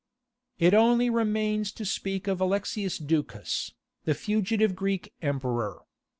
It only remains to speak of Alexius Ducas, the fugitive Greek emperor.